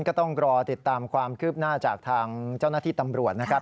ก็ต้องรอติดตามความคืบหน้าจากทางเจ้าหน้าที่ตำรวจนะครับ